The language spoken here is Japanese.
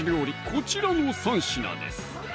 こちらの３品です